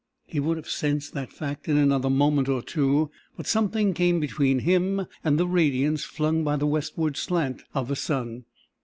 He would have sensed that fact in another moment or two, but something came between him and the radiance flung by the westward slant of the sun.